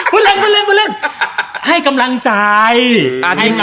พูดเล่นให้กำลังใจ